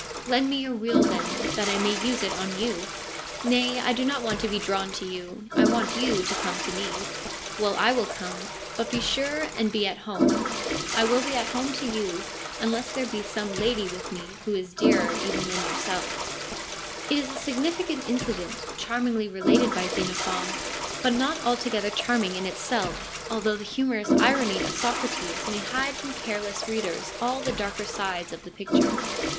' Lend me your wheel, then, that I may use it on you.' ' Nay, I do not want to be drawn to you. I want you to come to me.' ' Well, I will come. But be sure and be at home/ ' I will be at home to you, unless there be some lady with me who is dearer even than yourself/ It is a significant incident, charmingly related by Xenophon, but not altogether charming in itself, although the humorous irony of Socrates may hide from careless readers all the darker sides of the picture.